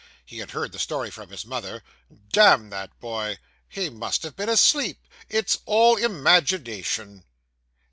He had heard the story from his mother. 'Damn that boy! He must have been asleep. It's all imagination.